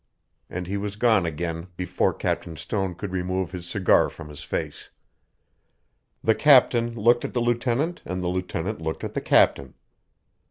and he was gone again before Captain Stone could remove his cigar from his face. The captain looked at the lieutenant and the lieutenant looked at the captain.